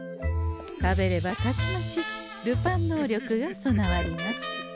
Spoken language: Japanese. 食べればたちまちルパン能力がそなわります。